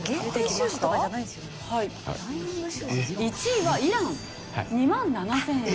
１位はイラン２万７０００円。